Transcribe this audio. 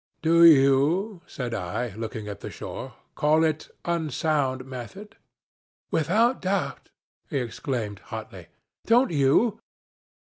'Do you,' said I, looking at the shore, 'call it "unsound method"?' 'Without doubt,' he exclaimed, hotly. 'Don't you?'